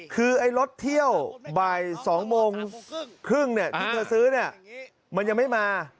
คือไอ้รถเที่ยวบ่าย๒โมงครึ่งที่เธอซื้อเนี่ยมันยังไม่มา